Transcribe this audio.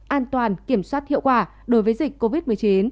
an toàn kiểm soát hiệu quả đối với dịch covid một mươi chín